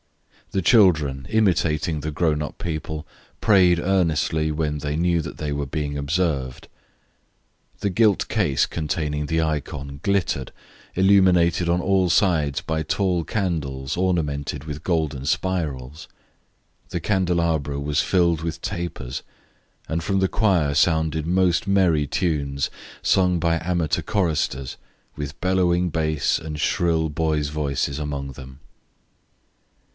The children, imitating the grown up people, prayed earnestly when they knew that they were being observed. The gilt case containing the icon glittered, illuminated on all sides by tall candles ornamented with golden spirals. The candelabra was filled with tapers, and from the choir sounded most merry tunes sung by amateur choristers, with bellowing bass and shrill boys' voices among them.